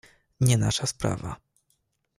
"Nie nasza sprawa."